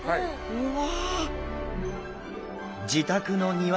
うわ！